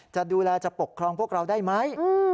จะดูแลจะปกครองพวกเราได้ไหม